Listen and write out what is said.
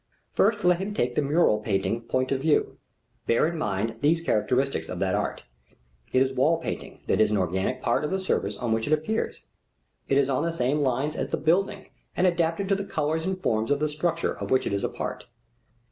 First let him take the mural painting point of view. Bear in mind these characteristics of that art: it is wall painting that is an organic part of the surface on which it appears: it is on the same lines as the building and adapted to the colors and forms of the structure of which it is a part.